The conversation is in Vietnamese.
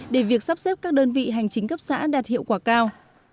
để việc sắp xếp các đơn vị hành chính cấp xã đạt hiệu quả cao